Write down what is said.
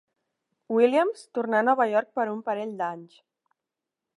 Williams tornà a Nova York per un parell d'anys.